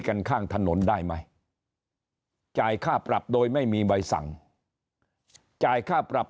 กันข้างถนนได้ไหมจ่ายค่าปรับโดยไม่มีใบสั่งจ่ายค่าปรับ